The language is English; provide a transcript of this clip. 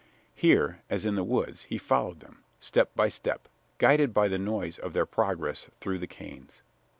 Here, as in the woods, he followed them, step by step, guided by the noise of their progress through the canes.